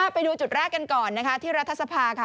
ไปดูจุดแรกกันก่อนนะคะที่รัฐสภาค่ะ